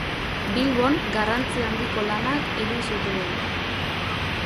Bilbon garrantzi handiko lanak egin zituen.